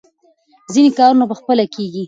ځینې کارونه په خپله کېږي.